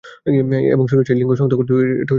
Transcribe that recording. এবং শুনেছি লিঙ্গ শক্ত করতেও এটা দারুণ কার্যকরী।